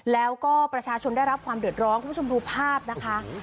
แล้วก็ประชาชนได้รับความเดือดร้อนคุณผู้ชมดูภาพนะคะ